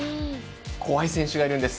怖い選手がいるんです。